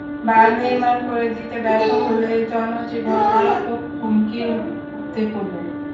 বাঁধ নির্মাণ করে দিতে ব্যর্থ হলে জনজীবন মারাত্মক হুমকির মধ্যে পড়বে।